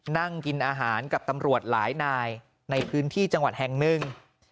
นั่งกินอาหารกับตำรวจหลายนายในพื้นที่จังหวัดแห่งหนึ่ง